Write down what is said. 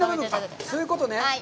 そういうことね。